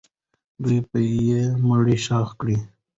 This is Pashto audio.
دوی به یې مړی ښخ کړي.